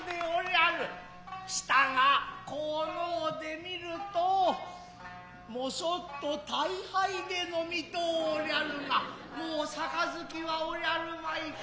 したがこう呑うで見るともそっと大盃で呑み度うおりやるがもう盃はおりやるまいか。